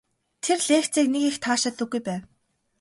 Тэр лекцийг нэг их таашаадаггүй байв.